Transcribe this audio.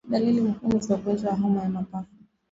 Dalili muhimu za ugonjwa wa homa ya mapafu